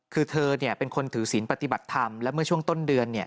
คือเธอเนี่ยเป็นคนถือศิลปฏิบัติธรรมแล้วเมื่อช่วงต้นเดือนเนี่ย